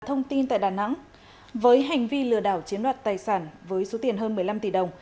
thông tin tại đà nẵng với hành vi lừa đảo chiếm đoạt tài sản với số tiền hơn một mươi năm tỷ đồng